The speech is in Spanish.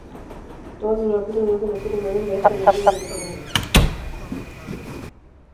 Todos los vampiros vuelven a ser humanos gracias a la ayuda de Tony.